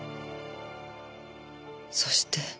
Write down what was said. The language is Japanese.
そして。